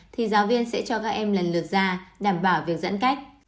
thì giáo viên sẽ cho các em lần lượt ra đảm bảo việc giãn cách